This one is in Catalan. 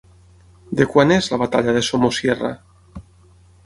De quant és La batalla de Somosierra?